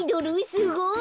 すごい。